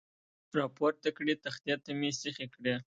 را پورته کړې، تختې ته مې سیخې کړې.